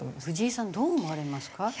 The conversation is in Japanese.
藤井さんどう思われますか？